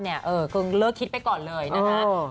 ก็ลืมเลิกคิดไปก่อนเลยนะครับ